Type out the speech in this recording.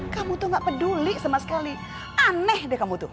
kamu tuh gak peduli sama sekali aneh deh kamu tuh